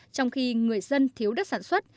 trong khi người dân thiếu đất sản xuất